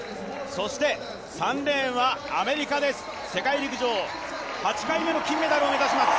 そして３レーンはアメリカです、世界陸上８回目の金メダルを目指します。